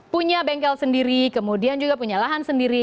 punya bengkel sendiri kemudian juga punya lahan sendiri